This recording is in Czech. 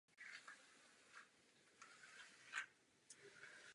Tento text vyzývá k ustavení skutečného Evropského energetického společenství.